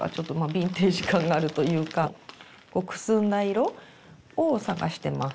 ビンテージ感があるというかくすんだ色を探してます。